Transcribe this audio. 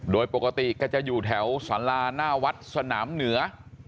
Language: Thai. โดยปกติก็จะอยู่แถวสาราหน้าวัดสนามเหนือ